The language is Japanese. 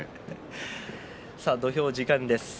土俵が時間です。